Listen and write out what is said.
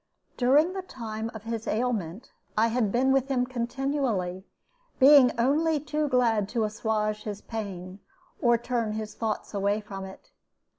During the time of his ailment I had been with him continually, being only too glad to assuage his pain, or turn his thoughts away from it.